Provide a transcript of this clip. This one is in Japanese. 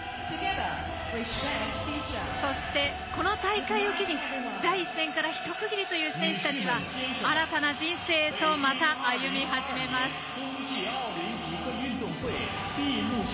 そして、この大会を機に第一線からひと区切りという選手は新たな人生へとまた歩み始めます。